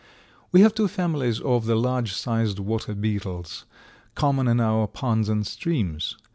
] We have two families of the large sized water beetles, common in our ponds and streams.